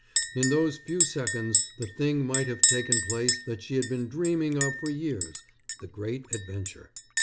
In those few seconds the thing might have taken place that she had been dreaming of for years, the great adventure.